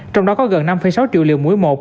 trong đó có gần năm sáu triệu liều mỗi một